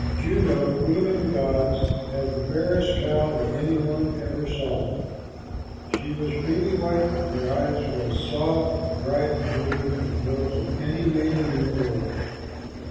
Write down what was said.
Juno, queen of the gods, had the fairest cow that any one ever saw. She was creamy white, and her eyes were of as soft and bright a blue as those of any maiden in the world.